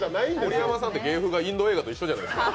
盛山さんって芸風がインド映画と一緒じゃないですか。